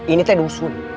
ini teh dusun